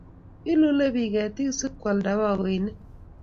Ilule pik ketik si koyalda bakoinik